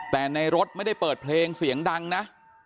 แต่ในรถไม่ได้เปิดเพลงเสียงดังนะ